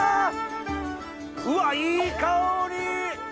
うわいい香り。